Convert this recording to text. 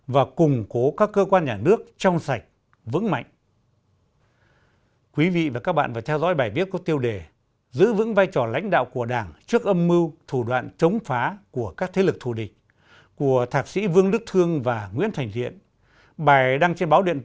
và củng cố các cơ quan nhà nước trong sạch vững mạnh